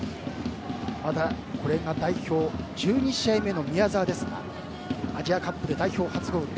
これが代表１２試合目の宮澤ですがアジアカップで代表初ゴール。